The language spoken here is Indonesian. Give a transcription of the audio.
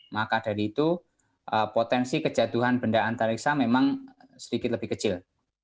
maka dari itu potensi kejatuhan benda antariksa memang sedikit lebih kecil